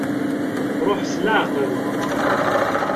Ṛuḥ s leɛqel.